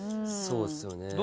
そうですよね。